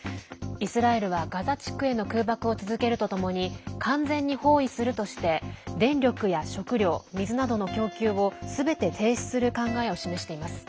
イスラエルはガザ地区への空爆を続けるとともに完全に包囲するとして電力や食料、水などの供給をすべて停止する考えを示しています。